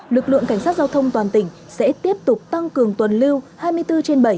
lực lượng cảnh sát giao thông toàn tỉnh sẽ tiếp tục tăng cường tuần lưu hai mươi bốn trên bảy